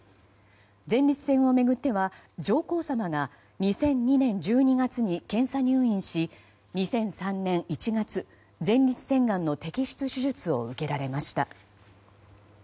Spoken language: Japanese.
前立腺を巡っては上皇さまが２００２年１２月に検査入院し２００３年１月、前立腺がんの摘出手術を受けられました。